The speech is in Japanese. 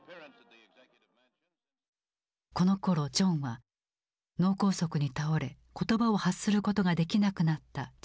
このころジョンは脳梗塞に倒れ言葉を発することができなくなった父